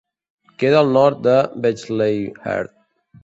Queda al nord de Bexleyheath.